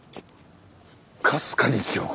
かすかに記憶が。